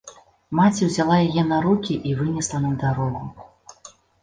Маці ўзяла яе на рукі і вынесла на дарогу.